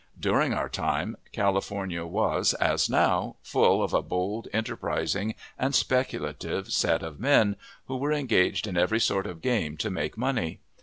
During our time, California was, as now, full of a bold, enterprising, and speculative set of men, who were engaged in every sort of game to make money.